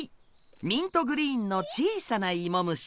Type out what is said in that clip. ミントグリーンの小さなイモ虫。